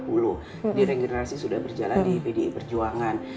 jadi regenerasi sudah berjalan di bdi perjuangan